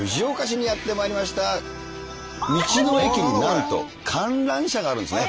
道の駅になんと観覧車があるんですね。